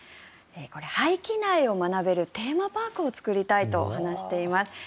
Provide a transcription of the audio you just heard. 廃棄苗を学べるテーマパークを作りたいと話しています。